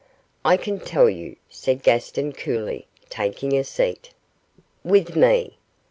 'I can tell you,' said Gaston, coolly, taking a seat. 'With me.